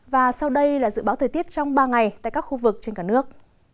và sau đây là dự báo thời tiết trong ba ngày tại các khu vực trên cả nước